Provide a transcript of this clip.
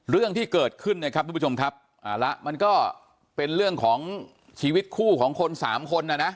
เรื่องที่เกิดขึ้นนะครับทุกผู้ชมครับเอาละมันก็เป็นเรื่องของชีวิตคู่ของคนสามคนนะนะ